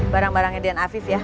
barang barangnya di an afif ya